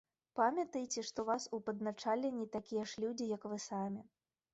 Памятаеце, што ў вас у падначаленні такія ж людзі, як вы самі.